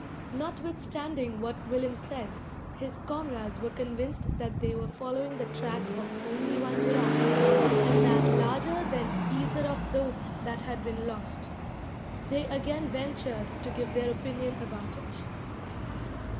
Notwithstanding what Willem said, his comrades were convinced that they were following the track of only one giraffe, and that larger than either of those that had been lost. They again ventured to give their opinion about it.